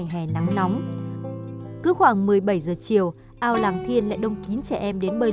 thì được khoảng những ngày cao điểm